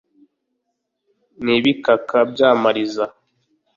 n’ibikaka by’amariza